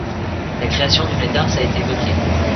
La création d'une darse a été évoquée.